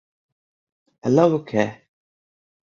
E logo que é?